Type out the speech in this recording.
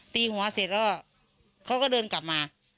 ตีหัวเสร็จแล้วเขาก็เดินกลับมา